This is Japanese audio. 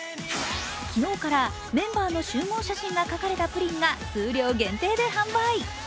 昨日からメンバーの集合写真が描かれたプリンが数量限定で販売。